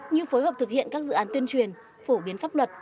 như phối hợp thực hiện các dự án tuyên truyền phổ biến pháp luật